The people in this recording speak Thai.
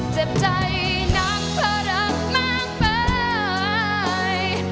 เจ็บใจน้ำเพราะรักมากมาย